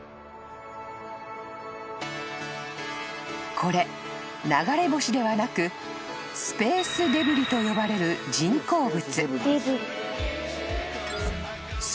［これ流れ星ではなくスペースデブリと呼ばれる人工物］